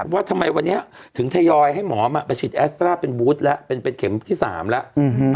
ว่าทำไมวันนี้ถึงทยอยให้หมอมาฉีดแอสตราเป็นบูธแล้วเป็นเข็มที่๓แล้ว